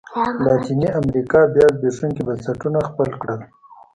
لاتینې امریکا بیا زبېښونکي بنسټونه خپل کړل.